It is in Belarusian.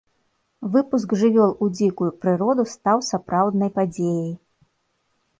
Выпуск жывёл у дзікую прыроду стаў сапраўднай падзеяй.